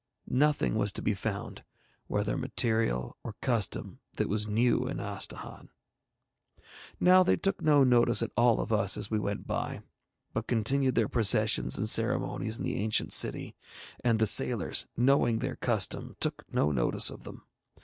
Nothing was to be found, whether material or custom, that was new in Astahahn. Now they took no notice at all of us as we went by, but continued their processions and ceremonies in the ancient city, and the sailors, knowing their custom, took no notice of them.